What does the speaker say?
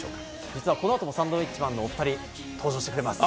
実はこのあともサンドウィッチマンのお２人、登場してくれます。